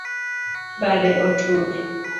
Bade otur